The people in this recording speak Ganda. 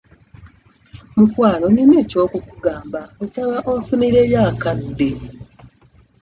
Mukwano nina eky'okukugamba nsaba onfunireyo akadde.